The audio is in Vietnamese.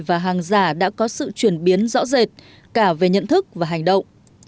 và hàng giả đã có sự chuyển biến rõ rệt cả về nhận thức và hành động